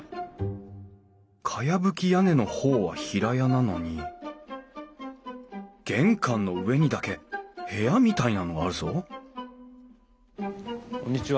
かやぶき屋根の方は平屋なのに玄関の上にだけ部屋みたいなのがあるぞこんにちは。